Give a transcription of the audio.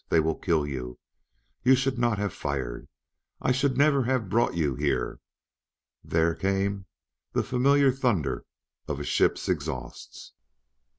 They will kill you you should not have fired I should never have brought you here" there came the familiar thunder of a ship's exhausts.